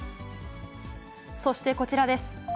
そして、こちらです。